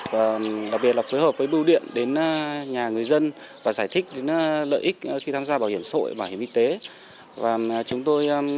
đặc biệt là phối hợp với bưu điện đến nhà người dân và giải thích lợi ích khi tham gia bảo hiểm xã hội và huyện y tế